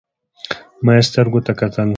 ما يې سترګو ته وکتل.